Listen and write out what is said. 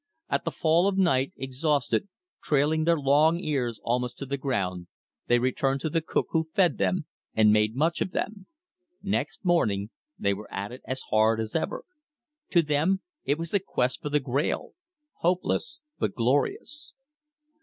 At the fall of night, exhausted, trailing their long ears almost to the ground, they returned to the cook, who fed them and made much of them. Next morning they were at it as hard as ever. To them it was the quest for the Grail, hopeless, but glorious.